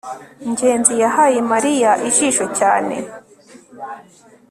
ngenzi yahaye mariya ijisho cyane